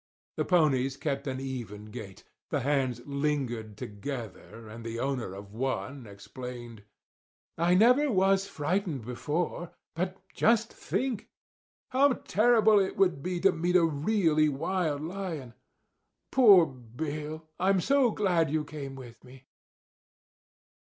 The ponies kept an even gait. The hands lingered together, and the owner of one explained: "I never was frightened before, but just think! How terrible it would be to meet a really wild lion! Poor Bill! I'm so glad you came with me!"